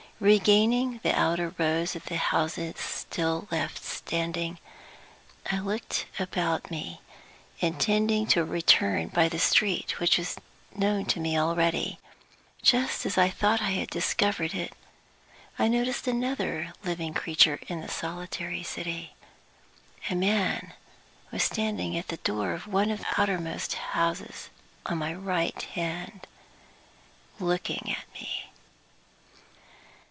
Regaining the outer rows of houses still left standing, I looked about me, intending to return by the street which was known to me already. Just as I thought I had discovered it, I noticed another living creature in the solitary city. A man was standing at the door of one of the outermost houses on my right hand, looking at me.